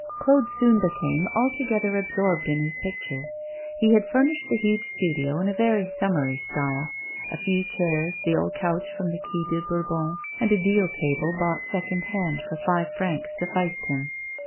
Claude soon became altogether absorbed in his picture. He had furnished the huge studio in a very summary style: a few chairs, the old couch from the Quai de Bourbon, and a deal table bought second hand for five francs sufficed him.